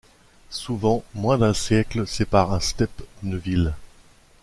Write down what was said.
Souvent moins d’un siècle sépare un steppe d’une ville.